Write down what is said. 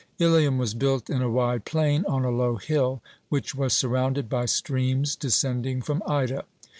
Ilium was built in a wide plain, on a low hill, which was surrounded by streams descending from Ida.